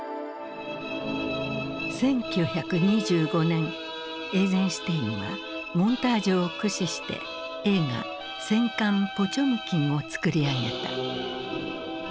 １９２５年エイゼンシュテインはモンタージュを駆使して映画「戦艦ポチョムキン」を作り上げた。